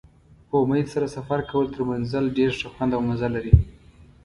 په امید سره سفر کول تر منزل ډېر ښه خوند او مزه لري.